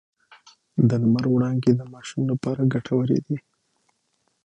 د لمر وړانګې د ماشوم لپاره ګټورې دي۔